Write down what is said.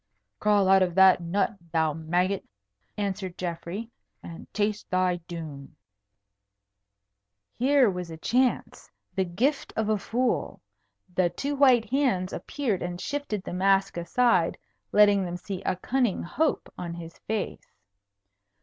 "Crawl out of that nut, thou maggot," answered Geoffrey, "and taste thy doom." Here was a chance, the gift of a fool. The two white hands appeared and shifted the mask aside, letting them see a cunning hope on his face.